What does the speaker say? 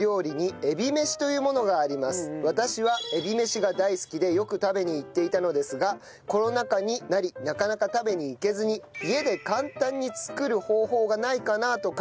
私はえびめしが大好きでよく食べに行っていたのですがコロナ禍になりなかなか食べに行けずに家で簡単に作る方法がないかなと考えたレシピです。